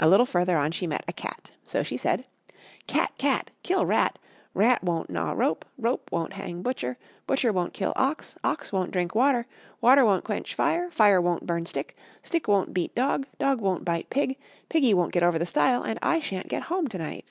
A little further on she met a cat. So she said: "Cat! cat! kill rat; rat won't gnaw rope; rope won't hang butcher; butcher won't kill ox; ox won't drink water; water won't quench fire; fire won't burn stick; stick won't beat dog; dog won't bite pig; piggy won't get over the stile; and I sha'n't get home to night."